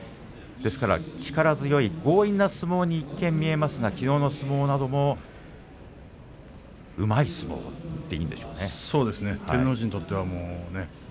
力強い強引な相撲に一見、見えましたがきのうの相撲などもうまい相撲といっていいでしょうね。